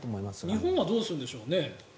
日本はどうするんでしょうね。